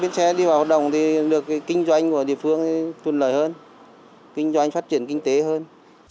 bến xe phía bắc thành phố vinh có khá hơn đôi chút sau khi có nhiều phản ánh bức xúc của người dân với chính quyền địa phương